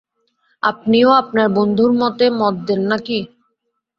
আপনিও আপনার বন্ধুর মতে মত দেন না কি?